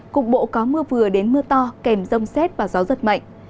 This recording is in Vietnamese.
cục bộ có mưa vừa đến mưa to kèm rông xét và gió giật mạnh